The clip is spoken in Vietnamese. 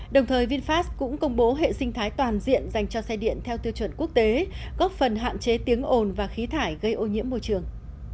đồng thời vinfast cũng công bố hệ sinh thái toàn diện dành cho xe điện theo tiêu chuẩn quốc tế góp phần hạn chế tiếng ồn và khí thải gây ô nhiễm môi trường